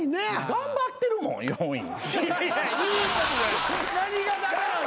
頑張ってるもん４位。